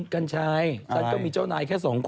กัญชัยฉันก็มีเจ้านายแค่สองคน